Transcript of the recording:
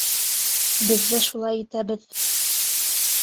Беҙ ҙә шулай итәбеҙ...